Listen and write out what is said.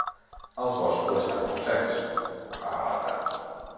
Els boscos estan molt secs, ha alertat.